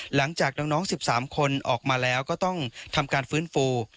หลังจากน้อง๑๓คนออกมาแล้วก็ต้องทำการฟื้นฟู